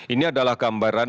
ini adalah gambaran